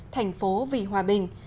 thành phố vì hòa bình